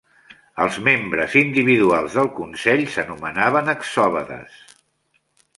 Els membres individuals del consell s'anomenaven Exovedes.